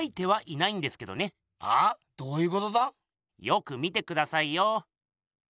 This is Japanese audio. よく見てくださいよ。